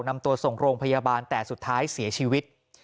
นำตัวส่งโรงพยาบาลแต่สุดท้ายเสียชีวิต